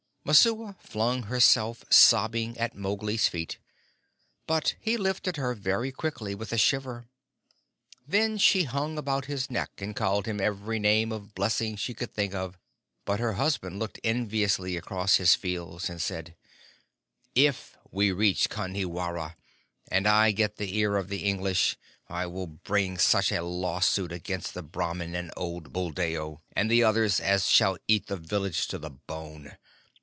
Messua flung herself sobbing at Mowgli's feet, but he lifted her very quickly with a shiver. Then she hung about his neck and called him every name of blessing she could think of, but her husband looked enviously across his fields, and said: "If we reach Kanhiwara, and I get the ear of the English, I will bring such a lawsuit against the Brahmin and old Buldeo and the others as shall eat the village to the bone.